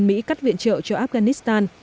mỹ cắt viện trợ cho afghanistan